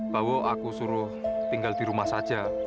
bawo aku suruh tinggal di rumah saja